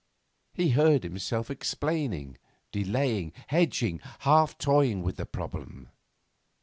He heard himself explaining, delaying, hedging, half toying with the problem.